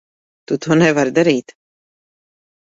Tu to nevari darīt.